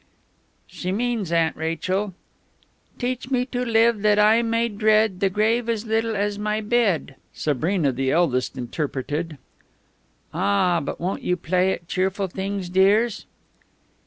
"She means, Aunt Rachel, "Teach me to live that I may dread The Grave as little as my bed," Sabrina, the eldest, interpreted. "Ah!... But won't you play at cheerful things, dears?"